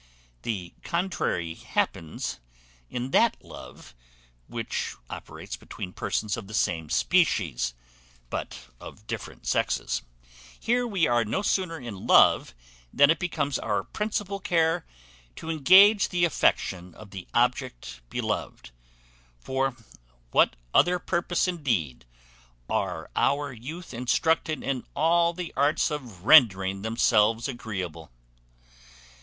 The contrary happens in that love which operates between persons of the same species, but of different sexes. Here we are no sooner in love than it becomes our principal care to engage the affection of the object beloved. For what other purpose indeed are our youth instructed in all the arts of rendering themselves agreeable?